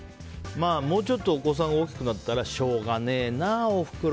もうちょっとお子さんが大きくなったらしょうがねえな、おふくろ